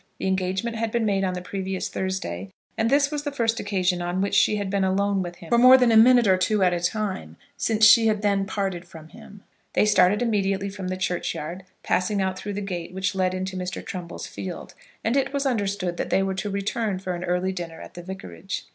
The engagement had been made on the previous Thursday, and this was the first occasion on which she had been alone with him for more than a minute or two at a time since she had then parted from him. They started immediately from the churchyard, passing out through the gate which led into Mr. Trumbull's field, and it was understood that they were to return for an early dinner at the vicarage.